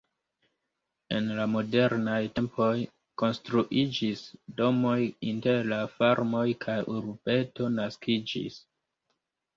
En la modernaj tempoj konstruiĝis domoj inter la farmoj kaj urbeto naskiĝis.